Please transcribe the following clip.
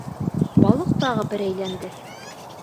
Балыҡ тағы бер әйләнде.